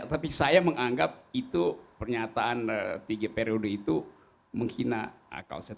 tapi saya menganggap itu pernyataan tiga periode itu menghina akal sehat